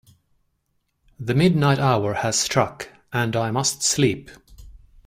The midnight hour has struck, and I must sleep.